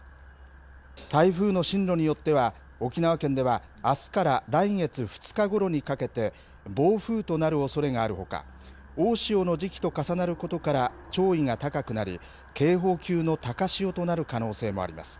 台風の進路によっては、沖縄県ではあすから来月２日ごろにかけて、暴風となるおそれがあるほか、大潮の時期と重なることから、潮位が高くなり、警報級の高潮となる可能性もあります。